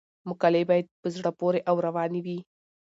مقالې باید په زړه پورې او روانې وي.